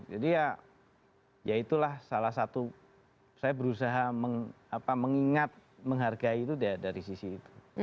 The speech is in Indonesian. jadi ya itulah salah satu saya berusaha mengingat menghargai itu dari sisi itu